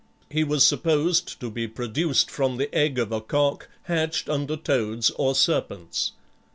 He was supposed to be produced from the egg of a cock hatched under toads or serpents.